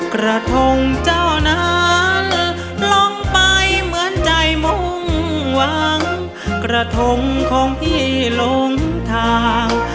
กระทงเจ้านั้นลงไปเหมือนใจมุ่งหวังกระทงของพี่หลงทาง